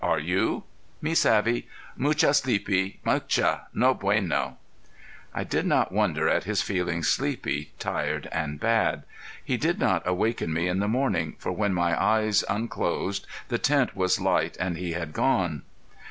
Are you?" "Me savvy mucha sleepie mucha no bueno." I did not wonder at his feeling sleepy, tired and bad. He did not awaken me in the morning, for when my eyes unclosed the tent was light and he had gone.